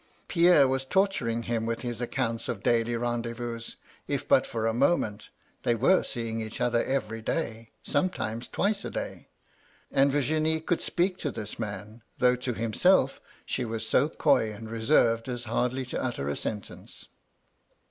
Pierre was torturing him with his accounts of daily rendezvous : if but for a moment, they were seeing each other every day, sometimes twice a day. And Virginie could speak to this man, though to himself she was so coy and reserved as hardly to utter a sentence.